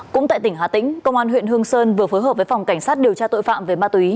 cũng tại tỉnh hà tĩnh công an huyện hương sơn vừa phối hợp với phòng cảnh sát điều tra tội phạm về ma túy